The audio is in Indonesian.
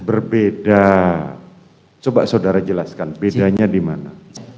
berbeda coba saudara jelaskan bedanya dimana